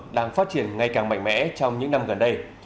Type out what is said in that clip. đang phát triển ngày càng mạnh mẽ trong những năm gần đây